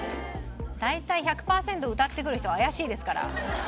大体１００パーセントをうたってくる人は怪しいですから。